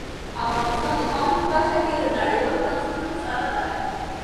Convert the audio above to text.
افغانستان د خاورې په برخه کې له نړیوالو بنسټونو سره دی.